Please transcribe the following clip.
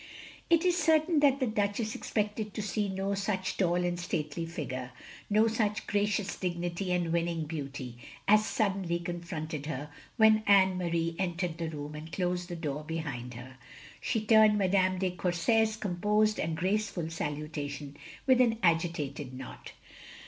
It is certain that the Duchess expected to see no such tall and stately figure, no such gracious dignity and winning beauty, as suddenly con fronted her when Anne Marie entered the room and closed the door behind her. She returned Madame de Courset's composed and graceful salutation with an agitated nod.